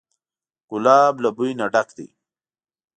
ګلاب له بوی نه ډک دی.